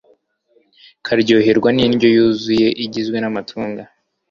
karyoherwa nindyo yuzuye igizwe namatunda